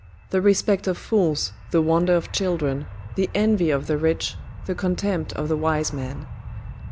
The respect of fools, the wonder of children, the envy of the rich, the contempt of the wise man.